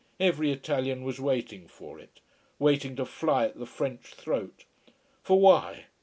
Every Italian was waiting for it. Waiting to fly at the French throat. For why?